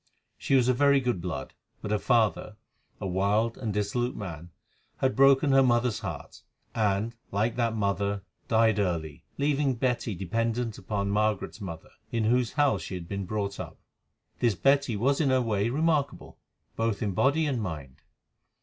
She was of very good blood, but her father, a wild and dissolute man, had broken her mother's heart, and, like that mother, died early, leaving Betty dependent upon Margaret's mother, in whose house she had been brought up. This Betty was in her way remarkable, both in body and mind.